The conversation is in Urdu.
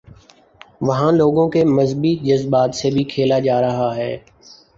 وہاں لوگوں کے مذہبی جذبات سے بھی کھیلاجا رہا ہے۔